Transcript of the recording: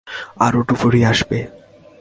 আরো ডুবুরি আসবে।